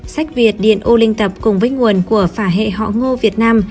sách việt điện ô linh tập cùng với nguồn của phả hệ họ ngô việt nam